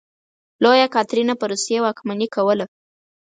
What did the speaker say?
لویه کاترینه په روسیې واکمني کوله.